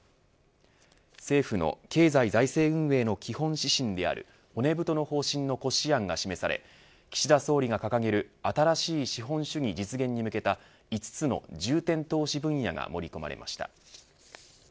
政府の経済財政運営の基本指針である骨太の方針の骨子案が示され岸田総理が掲げる新しい資本主義実現に向けた５つの重点投資分野が盛り込まれました。